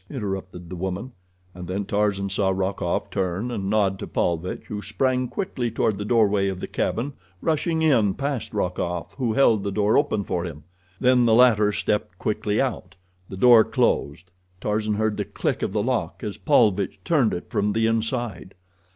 interrupted the woman, and then Tarzan saw Rokoff turn and nod to Paulvitch, who sprang quickly toward the doorway of the cabin, rushing in past Rokoff, who held the door open for him. Then the latter stepped quickly out. The door closed. Tarzan heard the click of the lock as Paulvitch turned it from the inside.